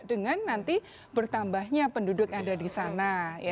dengan nanti bertambahnya penduduk yang ada disana